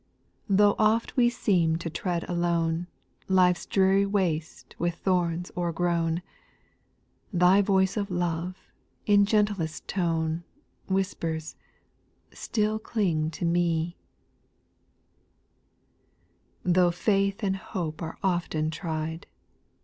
Though oft we seem to tread alone Life's dreary waste with thorns o'ergrown, Thy voice of love, in gentlest tone, Whispers, " Still cling to me I". 6. Though faith and hope are often tried.